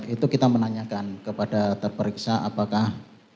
itu kita menanyakan kepada terperiksa apakah